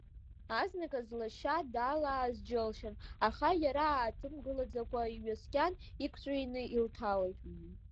Азныказ лашьа далааз џьылшьан, аха иара ааҭымгылаӡакәа иҩаскьан, иқәҵәины илҭалеит.